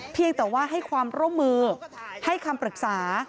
เพียงแต่ว่าให้ความร่วมมือให้คำปรึกษา